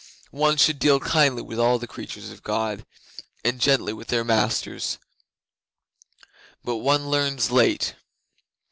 One should deal kindly with all the creatures of God, and gently with their masters. But one learns late.